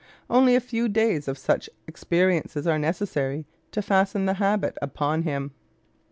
Only a few days of such experiences are necessary to fasten the habit upon him.